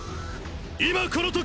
今この時！！